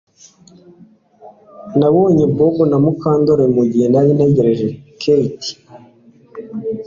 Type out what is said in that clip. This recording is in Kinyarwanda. Nabonye Bob na Mukandoli mugihe nari ntegereje Kate